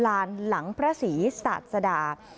ลานหลังพระศรีศาสดา